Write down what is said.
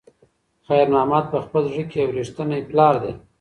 خیر محمد په خپل زړه کې یو رښتینی پلار دی.